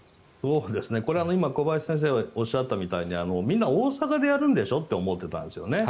これは今小林先生がおっしゃったみたいにみんな、大阪でやるんでしょと思ってたんですよね。